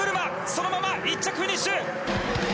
そのまま１着フィニッシュ！